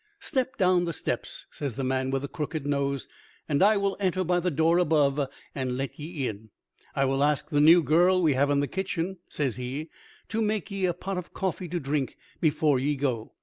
"Step down the steps," says the man with the crooked nose, "and I will enter by the door above and let ye in. I will ask the new girl we have in the kitchen," says he, "to make ye a pot of coffee to drink before ye go.